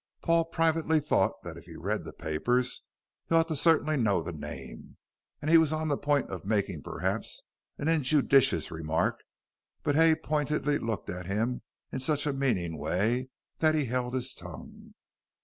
Paul privately thought that if he read the papers, he ought certainly to know the name, and he was on the point of making, perhaps an injudicious remark, but Hay pointedly looked at him in such a meaning way, that he held his tongue.